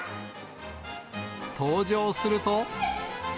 登場すると。